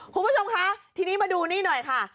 คุณผู้ชมคะทีนี้มาดูนี่หน่อยค่ะ